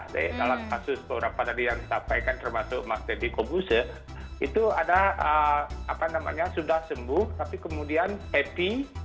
dalam kasus beberapa tadi yang saya sampaikan termasuk mas debbie kobuse itu ada apa namanya sudah sembuh tapi kemudian happy